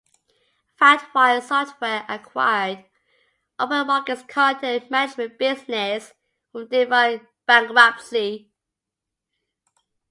FatWire Software acquired Open Market's content management business from the Divine bankruptcy.